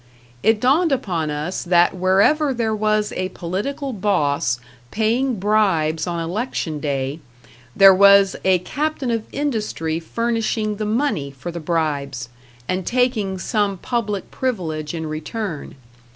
It dawned upon us that wherever there was a political boss paying bribes on election day, there was a captain of industry furnishing the money for the bribes, and taking some public privilege in return.